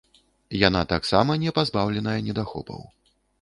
Яна таксама не пазбаўленая недахопаў.